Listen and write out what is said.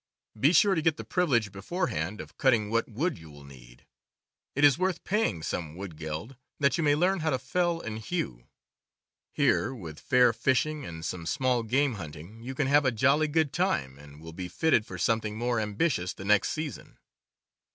Be sure to get the privilege beforehand of cutting what wood you will need. It is worth paying some wood geld that you may learn how to fell and 10 CAMPING AND WOODCRAFT hew. Here, with fair fishing and some small game hunting, you can have a jolly good time, and will be fitted for something more ambitious the next season.